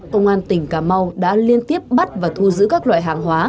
công an tỉnh cà mau đã liên tiếp bắt và thu giữ các loại hàng hóa